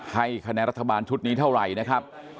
ให้คะแนนรัฐบาลชุดนี้เท่าไหร่นะครับ